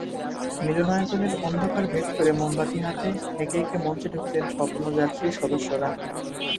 মিলনায়তনের অন্ধকার ভেদ করে মোমবাতি হাতে একে একে মঞ্চে ঢুকলেন স্বপ্নযাত্রীর সদস্যরা।